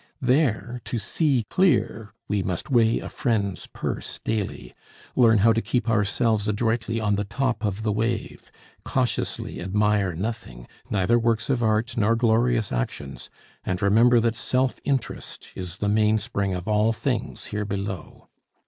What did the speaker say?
There, to "see clear" we must weigh a friend's purse daily, learn how to keep ourselves adroitly on the top of the wave, cautiously admire nothing, neither works of art nor glorious actions, and remember that self interest is the mainspring of all things here below.